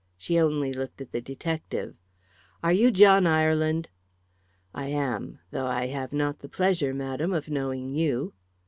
She only looked at the detective. "Are you John Ireland?" "I am. Though I have not the pleasure, madam, of knowing you."